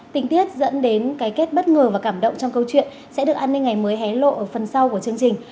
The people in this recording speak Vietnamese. tình tiết dẫn đến cái kết bất ngờ và cảm động trong câu chuyện sẽ được an ninh ngày mới hé lộ ở phần sau của chương trình